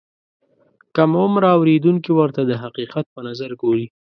کم عمره اورېدونکي ورته د حقیقت په نظر ګوري.